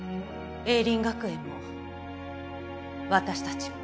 栄林学園も私たちも。